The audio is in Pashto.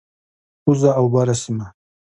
کوزه او بره سیمه،